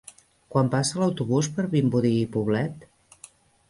Quan passa l'autobús per Vimbodí i Poblet?